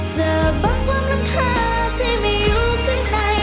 เจอบางความรำคาที่ไม่อยู่ข้างใน